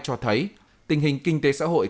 cho thấy tình hình kinh tế xã hội